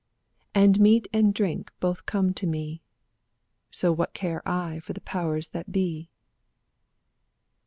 And meat and drink both come to me. So what care I for the powers that be?